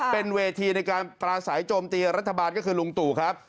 เป็นเวทีในการปราศัยโจมตีรัฐบาลก็คือลุงตู่ครับ